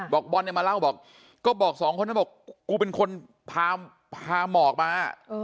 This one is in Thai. บอลเนี่ยมาเล่าบอกก็บอกสองคนนั้นบอกกูเป็นคนพาหมอกมา